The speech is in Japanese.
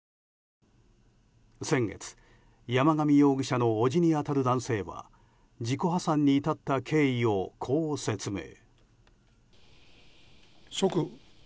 先月、山上容疑者の伯父に当たる男性は自己破産に至った経緯をこう説明。